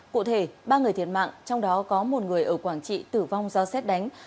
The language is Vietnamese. cụ thể ba người thiệt mạng trong đó có một người ở quảng trị tử vong do xét đánh